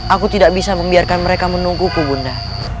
aku tidak bisa membiarkan mereka menungguku bunda